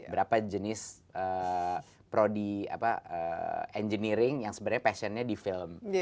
berapa jenis prodi engineering yang sebenarnya passionnya di film